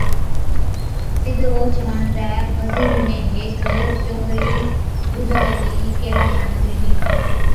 تِڏ اوهچ ماڻسَي مزُورِي ۾ هيڪ چونئرِي ڏُوڌا چِي ڪيلاشا نُون ڏِلِي